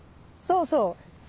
そうそう。